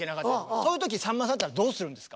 そういう時さんまさんだったらどうするんですか？